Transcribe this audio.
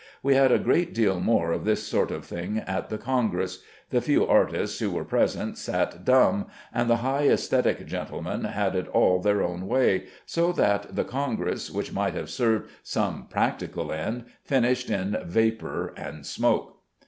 We had a great deal more of this sort of thing at the congress. The few artists who were present sat dumb, and the high æsthetic gentlemen had it all their own way, so that the congress, which might have served some practical end, finished in vapor and smoke.